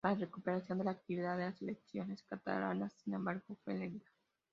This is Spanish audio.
La recuperación de la actividad de las selecciones catalanas, sin embargo, fue lenta.